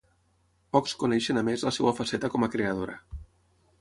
Pocs coneixen a més la seva faceta com a creadora.